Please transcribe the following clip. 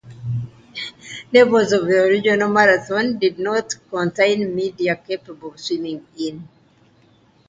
Levels of the original "Marathon" did not contain media capable of swimming in.